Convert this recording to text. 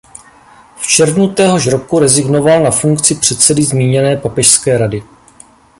V červnu téhož roku rezignoval na funkci předsedy zmíněné papežské rady.